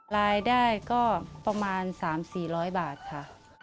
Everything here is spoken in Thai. รายได้ก็ประมาณ๓๔๐๐บาทค่ะ